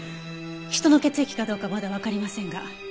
人の血液かどうかはまだわかりませんが。